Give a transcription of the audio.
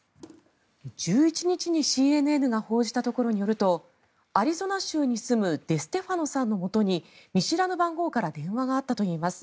１１日にＣＮＮが報じたところによるとアリゾナ州に住むデステファノさんのもとに見知らぬ番号から電話があったといいます。